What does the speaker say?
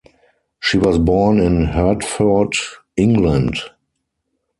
She was born in Hertford, England.